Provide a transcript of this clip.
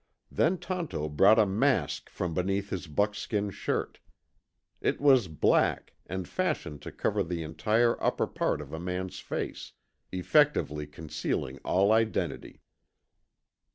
Then Tonto brought a mask from beneath his buckskin shirt. It was black, and fashioned to cover the entire upper part of a man's face, effectively concealing all identity.